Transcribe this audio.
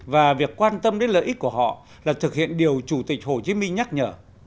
và việc quan tâm đến lợi ích của họ là thực hiện điều chủ tịch hồ chí minh nhắc nhở